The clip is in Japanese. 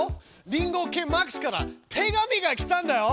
リンゴ犬マックスから手紙が来たんだよ。